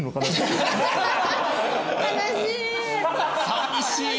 寂しい！